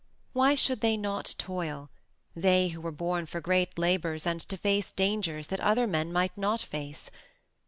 Why should they not toil, they who were born for great labors and to face dangers that other men might not face?